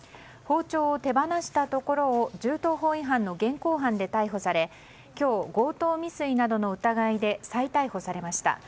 包丁を手放したところを銃刀法違反の現行犯で逮捕され今日、強盗未遂などの疑いで再逮捕されました。